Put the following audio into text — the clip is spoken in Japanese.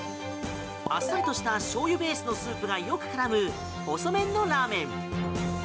あっさりとしたしょうゆベースのスープがよく絡む細麺のラーメン。